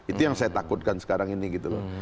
itu yang saya takutkan sekarang ini gitu loh